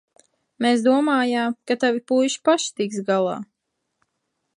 Mēs domājām, ka tavi puiši paši tiks galā.